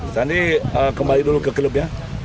sandy kembali dulu ke klubnya